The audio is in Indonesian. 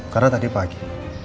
karena tadi pagi